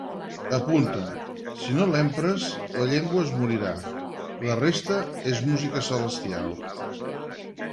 Apunta: si no l'empres, la llengua es morirà. La resta és música celestial.